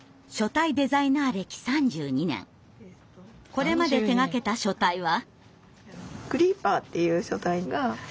これまで手がけた書体は。